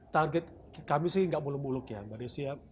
target kami sih nggak muluk muluk ya mbak nesya